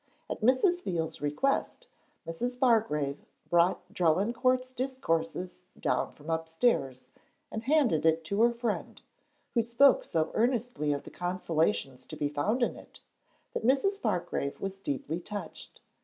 At Mrs. Veal's request, Mrs. Bargrave brought Drelincourt's discourses down from upstairs, and handed it to her friend, who spoke so earnestly of the consolations to be found in it that Mrs. Bargrave was deeply touched.